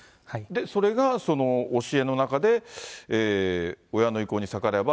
それが、その教えの中で、親の意向に逆らえば、